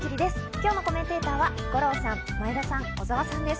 今日のコメンテーターの皆さんです。